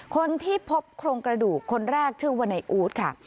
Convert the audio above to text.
คนที่พบโครงกระดูกคนแรกชื่อว่าในอู๊ดค่ะ